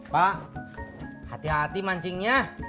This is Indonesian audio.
pak hati hati mancingnya